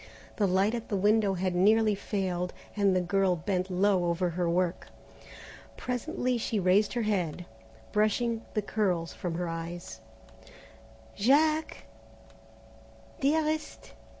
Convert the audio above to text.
The light at the window had nearly failed, and the girl bent low over her work. Presently she raised her head, brushing the curls from her eyes. "Jack?" "Dearest?"